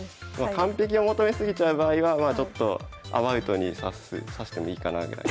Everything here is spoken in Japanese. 完璧を求め過ぎちゃう場合はちょっとアバウトに指してもいいかなぐらい。